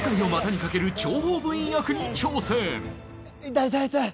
痛い痛い痛い！